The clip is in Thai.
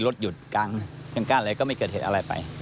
รถหยุดกลางกั้นอะไรก็ไม่เกิดเหตุอะไรไป